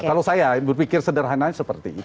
kalau saya berpikir sederhananya seperti itu